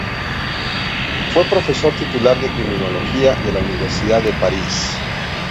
Fue profesor titular de Criminología de la Universidad de París.